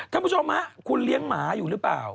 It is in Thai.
คุณผู้ชมคุณเลี้ยงหมาอยู่หรือเปล่า